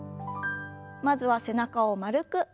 まずは背中を丸く。